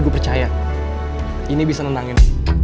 gue percaya ini bisa nenangin